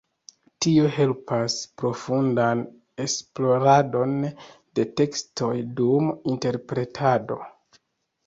Tio helpas profundan esploradon de tekstoj dum interpretado.